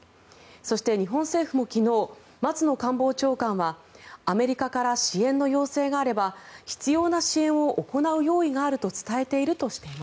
そして、日本政府も昨日松野官房長官はアメリカから支援の要請があれば必要な支援を行う用意があると伝えています。